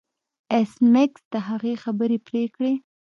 ایس میکس د هغې خبرې پرې کړې